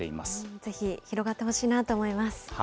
ぜひ広がってほしいなと思います。